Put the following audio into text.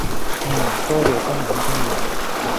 嗯，多謝分享經驗